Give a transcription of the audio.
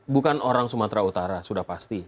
bukan orang sumatera utara sudah pasti